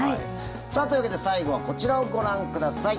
さあ、というわけで最後はこちらをご覧ください。